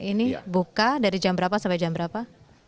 ini buka dari jam berapa sampai jam berapa